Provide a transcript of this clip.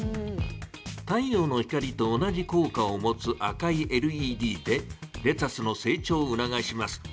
太陽の光と同じこう果をもつ赤いＬＥＤでレタスの成長をうながします。